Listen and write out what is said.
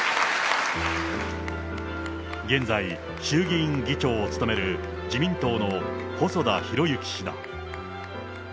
現在、衆議院議長を務める自民党の細田博之氏だ。